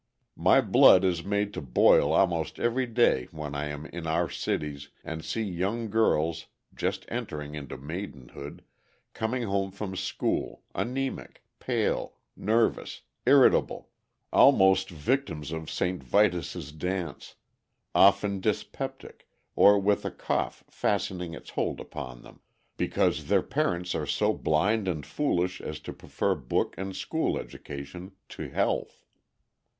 My blood is made to boil almost every day when I am in our cities and see young girls, just entering into maidenhood, coming home from school, anæmic, pale, nervous, irritable, almost victims of St. Vitus's dance, often dyspeptic or with a cough fastening its hold upon them, because their parents are so blind and foolish as to prefer book and school education to health.